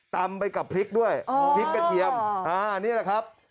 ไปกับพริกด้วยพริกกระเทียมนี่แหละครับ